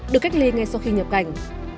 được cách ly ngay sau khi nhập cảnh